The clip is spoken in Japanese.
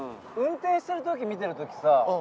運転してる時見てる時さ